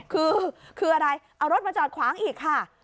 คือคืออะไรเอารถมาจอดขวางอีกค่ะ